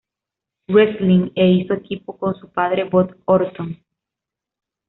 Wrestling" e hizo equipo con su padre, Bob Orton.